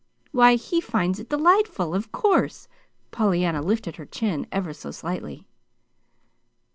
"Why, he finds it delightful, of course!" Pollyanna lifted her chin ever so slightly.